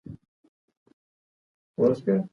که مور ته غوږ شو نو جنت نه ورکيږي.